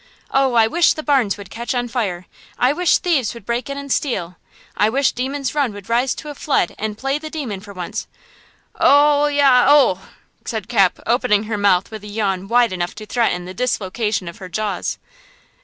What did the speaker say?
Oh! I wish the barns would catch on fire! I wish thieves would break in and steal. I wish Demon's Run would rise to a flood and play the demon for once! Ohyah!–oo!" said Cap, opening her mouth with a yawn wide enough to threaten the dislocation of her jaws.